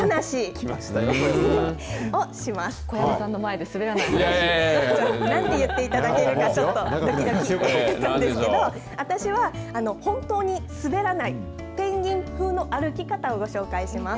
来ましたよ。なんて言っていただけるかちょっとどきどきなんですけど、私は、本当に滑らないペンギン風の歩き方をご紹介します。